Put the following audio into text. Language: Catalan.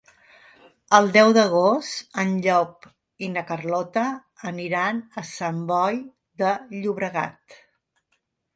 El deu d'agost en Llop i na Carlota aniran a Sant Boi de Llobregat.